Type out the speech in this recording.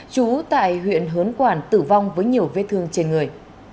chú tại huyện hớn quản tử vong với nhiều vết thương trên người